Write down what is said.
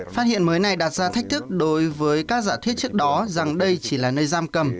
phát hiện mới này đặt ra thách thức đối với các giả thuyết trước đó rằng đây chỉ là nơi giam cầm